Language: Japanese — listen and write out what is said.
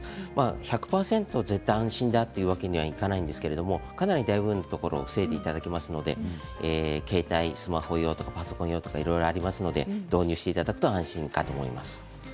１００％絶対安心だというわけにはいかないんですけれどもかなり大部分のところ防いでいただけますので携帯、スマホ用、パソコン用いろいろありますので、導入していただくと安心かと思います。